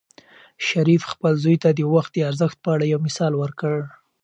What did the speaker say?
شریف خپل زوی ته د وخت د ارزښت په اړه یو مثال ورکړ.